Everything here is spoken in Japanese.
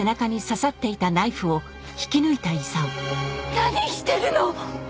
何してるの！？